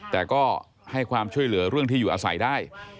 แต่ก็ให้ความช่วยเหลือเรื่องที่อยู่อาศัยได้